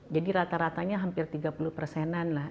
jadi rata ratanya hampir tiga puluh persenan lah